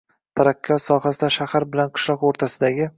taraqkiyot sohasida shahar bilan qishloq o‘rtasidagi